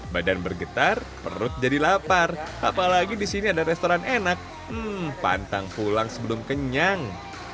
badan bergetar perut jadi lapar apalagi di sini ada restoran enak pantang pulang sebelum kenyang